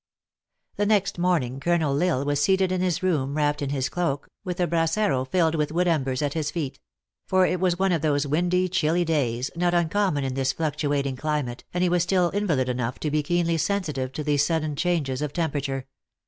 THE next morning Colonel L Isle was seated in his room, wrapped in his cloak, with a brasero filled with wood embers at his feet; for it \vas one of those windy, chilly days, not uncommon in this fluctuating climate, and he was still invalid enough to be keenly sensitive to these sudden changes of temperature.